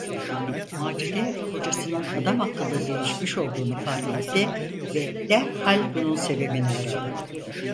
Macide kocasının adamakıllı değişmiş olduğunu fark etti ve derhal bunun sebebini aradı.